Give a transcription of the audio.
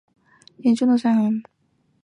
背上都是严重的伤痕